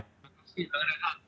terima kasih bang leda